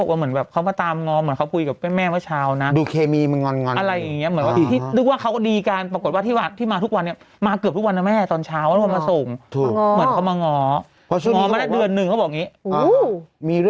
เมื่อก่อนเขาก็จะมีการคุยกันอะไรอย่างนี้